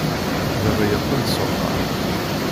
Baba yeqqel-d s axxam.